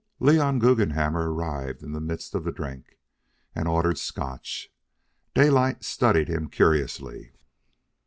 Leon Guggenhammer arrived in the midst of the drink, and ordered Scotch. Daylight studied him curiously.